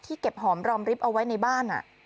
เก็บหอมรอมริบเอาไว้ในบ้าน